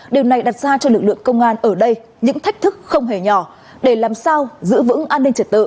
điều này đặt ra cho lực lượng công an ở đây những thách thức không hề nhỏ để làm sao giữ vững an ninh trật tự